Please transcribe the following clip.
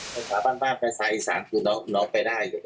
สถาบันบ้านภาษาอีสานคือน้องไปได้